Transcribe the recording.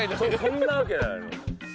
そんなわけないのよ。